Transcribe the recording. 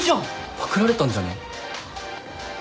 パクられたんじゃね？